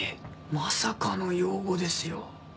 まさかの擁護ですよ。